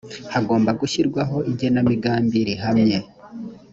hagomba gushyirwaho igenamigambi rihamye